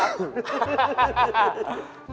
อาราฮะ